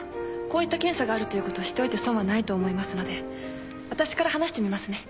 こういった検査があるということ知っておいて損はないと思いますので私から話してみますね。